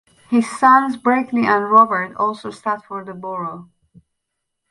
His sons Berkeley and Robert also sat for the borough.